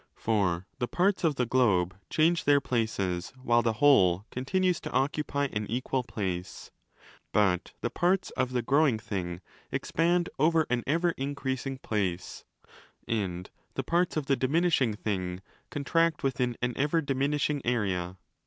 For the parts of the globe change their places while the whole! continues to occupy an equal place: but the parts of the growing thing expand over an ever increas ing place and the parts of the diminishing thing contract within an ever diminishing area.